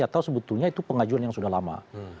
atau sebetulnya itu pengajuan yang sudah lama